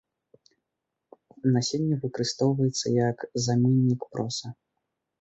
Насенне выкарыстоўваецца як заменнік проса.